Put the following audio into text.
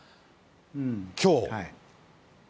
きょう。